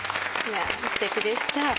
いやすてきでした。